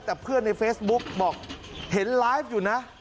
แต่เพื่อนในเฟซบุ๊กบอกเห็นไลฟ์อยู่นะ